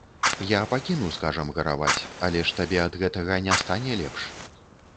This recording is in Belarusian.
Я пакіну, скажам, гараваць, але ж табе ад гэтага не стане лепш.